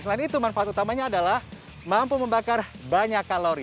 selain itu manfaat utamanya adalah mampu membakar banyak kalori